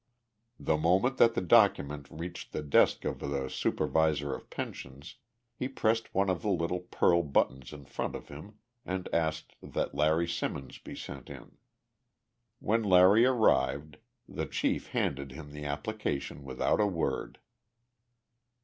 The moment that the document reached the desk of the Supervisor of Pensions he pressed one of the little pearl buttons in front of him and asked that Larry Simmons be sent in. When Larry arrived the chief handed him the application without a word.